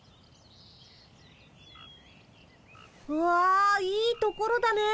わあいいところだねえ。